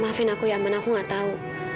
maafin aku ya man aku gak tau